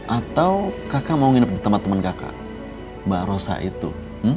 atau kakak mau nginep di teman teman kakak mbak rosa itu